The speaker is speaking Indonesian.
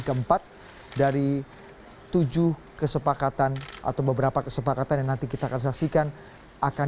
keempat dari tujuh kesepakatan atau beberapa kesepakatan yang nanti kita akan saksikan akan